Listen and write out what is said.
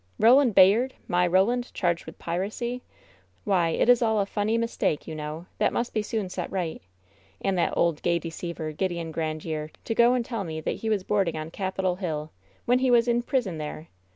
"Roland Bayard I My Roland — charged with piracy ? Why, it is all a funny mistake, you know, that must soon be set right 1 And that old gay deceiver, Gideon Grandiere, to go and tell me that he was boarding on Capitol Hill, when he was in prison there